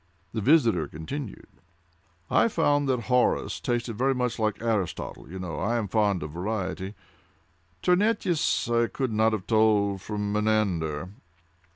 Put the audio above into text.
The visitor continued: "I found that Horace tasted very much like Aristotle;—you know I am fond of variety. Terentius I could not have told from Menander.